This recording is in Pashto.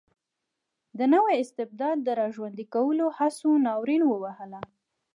د نوي استبداد د را ژوندي کولو هڅو ناورین ووهله.